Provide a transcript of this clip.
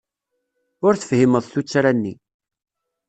Ur tefhimeḍ tuttra-nni.